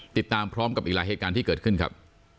ติดตามพร้อมกับอีกหลายเหตุการณ์ที่เกิดขึ้นครับ